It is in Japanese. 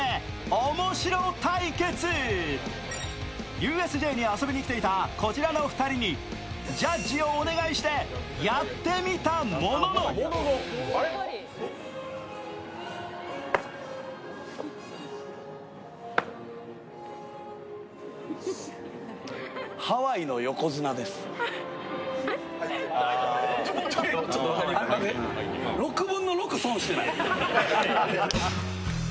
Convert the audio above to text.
ＵＳＪに遊びに来ていた、こちらの２人にジャッジをお願いしてやってみたものの「モンハン」を体験できるのはあと１人。